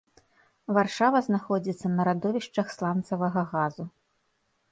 Варшава знаходзіцца на радовішчах сланцавага газу.